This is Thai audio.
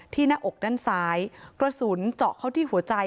หน้าอกด้านซ้ายกระสุนเจาะเข้าที่หัวใจ